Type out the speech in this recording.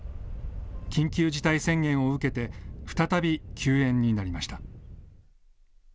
緊急事態宣言を受けて再び休園になりました。